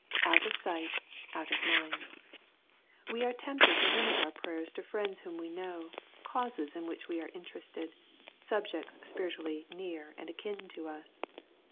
" Out of sight, out of mind." We are tempted to limit our prayers to friends whom we know, causes in which we are interested, subjects spiritually near and akin to us.